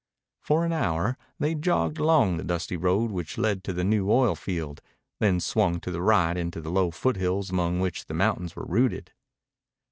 For an hour they jogged along the dusty road which led to the new oil field, then swung to the right into the low foothills among which the mountains were rooted.